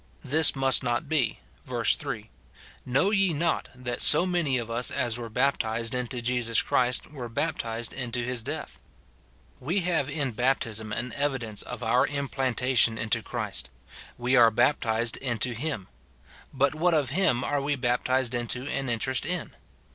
This must not be : verse 3, " Know ye not, that so many of us as were baptized into Jesus Christ were baptized into his death ?" We have in baptism an evidence of our implantation into Christ ; we are baptized into him : but what of him are we baptized into an interest in